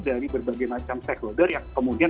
dari berbagai macam stakeholder yang kemudian